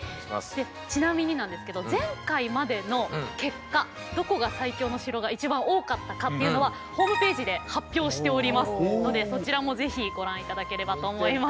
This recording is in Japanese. でちなみになんですけど前回までの結果どこが最強の城が一番多かったかっていうのはホームページで発表しておりますのでそちらも是非ご覧頂ければと思います。